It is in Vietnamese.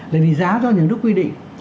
bởi vì giá do nhà nước quy định